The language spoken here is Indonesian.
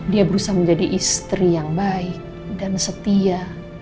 dia berusaha menjadi istri yang baik dan setia